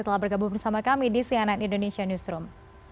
telah bergabung bersama kami di cnn indonesia newsroom